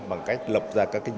bằng cách lập ra các cái nhóm